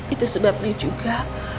itu sebabnya juga